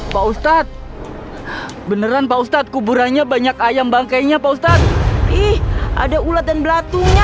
pak ustadz beneran pak ustadz kuburannya banyak ayam bangkainya pak ustadz ih ada ulat dan belatunya